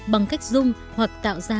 bằng cách dung hoặc tạo ra